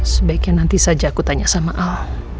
sebaiknya nanti saja aku tanya sama allah